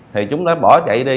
thì chúng đã bỏ chạy đi